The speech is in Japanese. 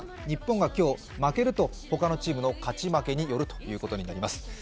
日本が今日負けると、他のチームの勝ち負けによることになります。